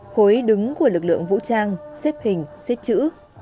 khối đứng của lực lượng vũ trang xếp hình xếp chữ